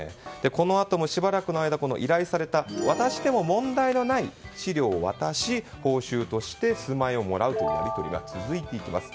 このあともしばらくの間依頼された渡しても問題のない資料を渡し報酬として数万円をもらうというやり取りが続いていきます。